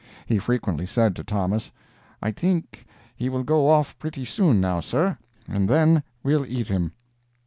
He frequently said to Thomas: "I think he will go off pretty soon, now, sir. And then we'll eat him!"